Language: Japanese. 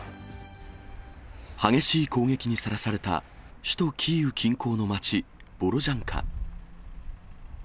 激しい攻撃にさらされた首都キーウ近郊の街、ボロジャンカ。